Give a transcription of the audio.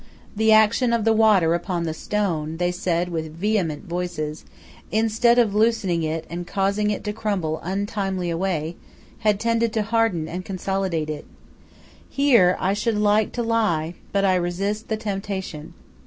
The action of the water upon the stone, they said with vehement voices, instead of loosening it and causing it to crumble untimely away, had tended to harden and consolidate it. Here I should like to lie, but I resist the temptation.